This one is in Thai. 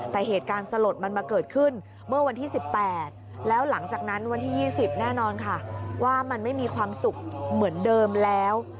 แต่เหตุการณ์สลดมันมาเกิดขึ้นเมื่อวันที่๑๘แล้วหลังจากนั้นวันที่๒๐แน่นอนค่ะว่ามันไม่มีความสุขเหมือนเดิมแล้ว